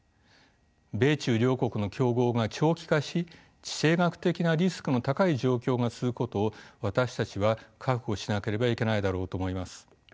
米中両国の競合が長期化し地政学的なリスクの高い状況が続くことを私たちは覚悟しなければいけないだろうと思います。